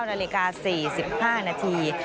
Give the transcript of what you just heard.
นาฬิกา๔๕นาที